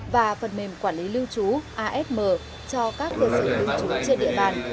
và phần mềm quản lý lưu trú asm cho các cơ sở lưu trú trên địa bàn